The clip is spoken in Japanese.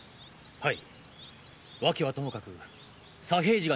はい。